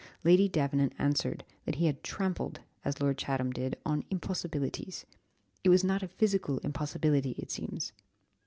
Lady Davenant answered, that he had 'trampled,' as Lord Chatham did, 'on impossibilities.' "It was not a physical impossibility, it seems."